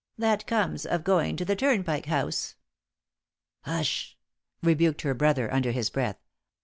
"That comes of going to the Turnpike House." "Hush!" rebuked her brother under his breath.